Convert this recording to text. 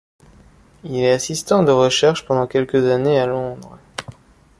Il est assistant de recherche pendant quelques années à Londres.